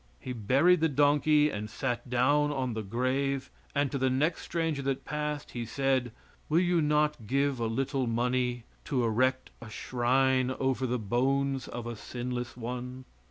He buried the donkey and sat down on the grave, and to the next stranger that passed he said: "Will you not give a little money to erect a shrine over the bones of a sinless one?"